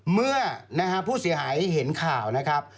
เมื่อผู้เสียหายเห็นข่าวนะครับ